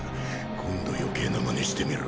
今度余計なまねしてみろ。